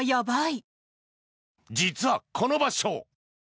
実は、この場所。